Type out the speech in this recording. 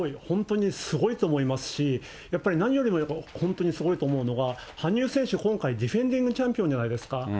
本当にすごいと思いますし、やっぱり何よりも、本当にすごいと思うのが、羽生選手、今回、ディフェンディングチャンピオンじゃないですか。